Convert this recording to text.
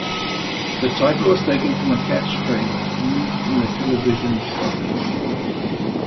The title was taken from a catchphrase used in the television show.